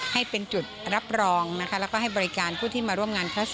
ให้เป็นจุดรับรองนะคะและแบบประกันผู้ที่มาร่วมงานท่าสม